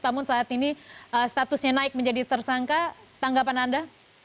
namun saat ini statusnya naik menjadi tersangka tanggapan anda